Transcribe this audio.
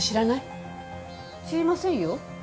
知りませんよ。